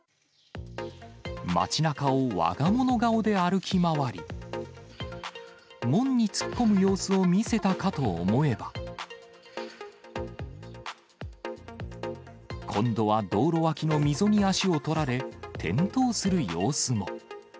町なかをわが物顔で歩き回り、門に突っ込む様子を見せたかと思えば、今度は道路脇の溝に足を取られ、転倒する様子も。